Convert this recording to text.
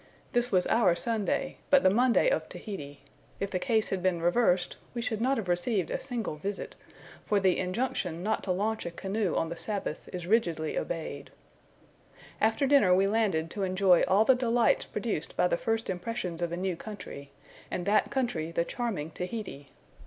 This was our Sunday, but the Monday of Tahiti: if the case had been reversed, we should not have received a single visit; for the injunction not to launch a canoe on the sabbath is rigidly obeyed. After dinner we landed to enjoy all the delights produced by the first impressions of a new country, and that country the charming Tahiti.